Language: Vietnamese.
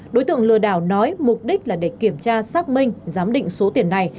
đối tượng lừa đảo nói mục đích là để kiểm tra xác minh giám định số tiền này